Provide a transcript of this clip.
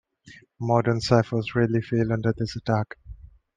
Modern ciphers rarely fail under this attack.